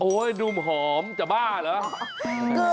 นุ่มหอมจะบ้าเหรอ